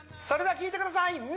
それでは聞いてください